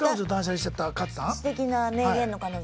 すてきな名言の彼女。